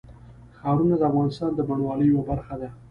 ښارونه د افغانستان د بڼوالۍ یوه برخه ده.